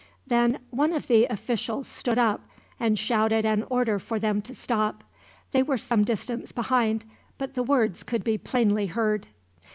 Then one of the officials stood up, and shouted an order for them to stop. They were some distance behind, but the words could be plainly heard.